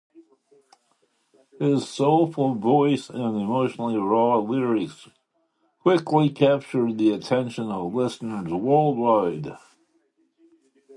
His soulful voice and emotionally raw lyrics quickly captured the attention of listeners worldwide.